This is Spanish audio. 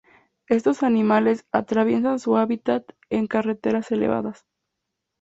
Estos animales atraviesan su hábitat en carreteras elevadas.